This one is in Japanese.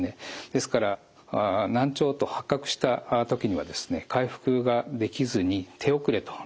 ですから難聴と発覚した時にはですね回復ができずに手遅れとなっている状態なんです。